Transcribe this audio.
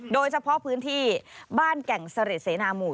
โดยเฉพาะพื้นที่บ้านแก่งเสร็ดเสนาหมู่